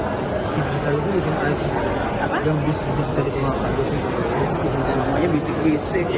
namanya bisik bisik ya